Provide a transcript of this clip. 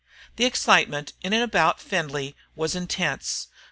The excitement in and about Findlay was intense.